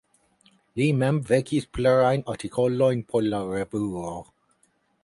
Li mem verkis plurajn artikolojn por la revuo.